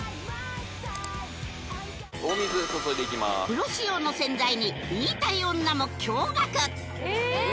プロ仕様の洗剤に言いたい女も驚がくえ！